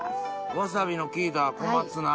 わさびの効いた小松菜。